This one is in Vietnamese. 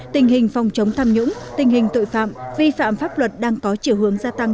tình hình phòng chống tham nhũng tình hình tội phạm vi phạm pháp luật đang có chiều hướng gia tăng